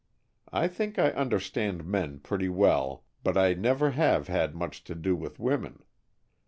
I think I understand men pretty well, but I never have had much to do with women.